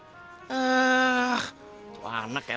orang buta itu dikasih kata kata yang kaya gitu ya kan